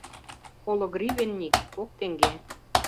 Коло гривенник — кок теҥге.